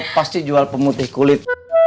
pasti jual pemutih kulit